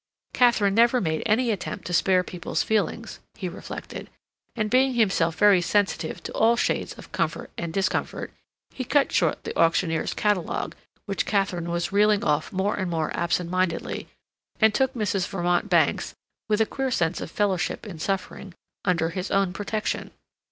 Katharine never made any attempt to spare people's feelings, he reflected; and, being himself very sensitive to all shades of comfort and discomfort, he cut short the auctioneer's catalog, which Katharine was reeling off more and more absent mindedly, and took Mrs. Vermont Bankes, with a queer sense of fellowship in suffering, under his own protection.